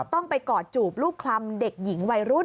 ต้องไปกอดจูบรูปคลำเด็กหญิงวัยรุ่น